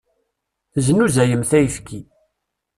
Teznuzayemt ayefki.